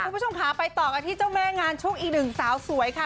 ผู้ชมคะไปต่อกันที่เจ้าแม่งานช่วงอีก๑สาวสวยค่ะ